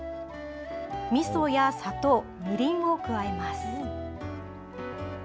みそや砂糖、みりんを加えます。